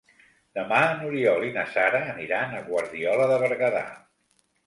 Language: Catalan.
Demà n'Oriol i na Sara aniran a Guardiola de Berguedà.